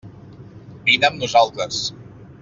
Vine amb nosaltres.